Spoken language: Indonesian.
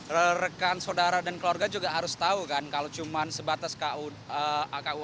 rekan saudara dan keluarga juga harus tahu kan kalau cuma sebatas kua doang kayaknya enggak kali sih